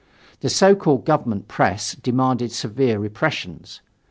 The so called government press demanded severe repressions.